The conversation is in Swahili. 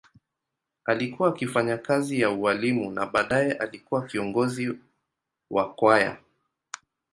Alikuwa akifanya kazi ya ualimu na baadaye alikuwa kiongozi wa kwaya.